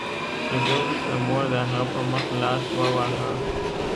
شېبې وروسته مور د هغه په مخ لاس وواهه